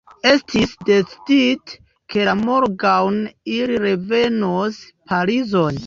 Estis decidite, ke la morgaŭon ili revenos Parizon.